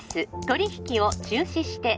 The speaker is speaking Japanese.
取引を中止して